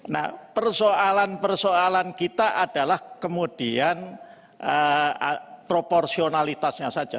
nah persoalan persoalan kita adalah kemudian proporsionalitasnya saja